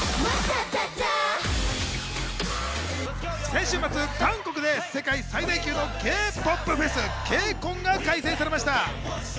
先週末、韓国で世界最大級のＫ−ＰＯＰフェス、ＫＣＯＮが開催されました。